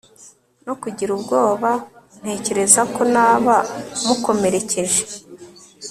no kugira ubwoba ntekerezako naba mukomerekeje